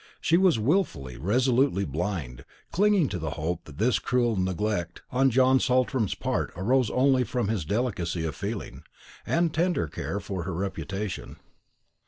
She was wilfully, resolutely blind, clinging to the hope that this cruel neglect on John Saltram's part arose only from his delicacy of feeling, and tender care for her reputation.